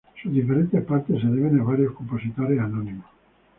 Sus diferentes partes se deben a varios compositores anónimos.